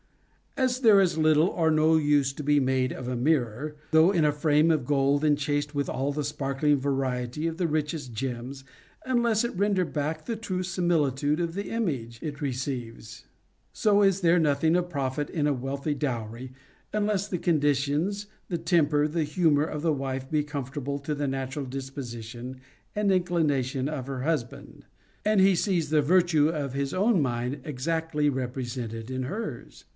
As there is little or no use to be made of a mirror, though in a frame of gold enchased with all the sparkling variety of the richest gems, unless it render back the true similitude of the image it receives ; so is there nothing of profit in a wealthy dowry, unless the conditions, the tem per, the humor of the wife be conformable to the natural disposition and inclination of the husband, and he sees the virtues of his own mind exactly represented in hers.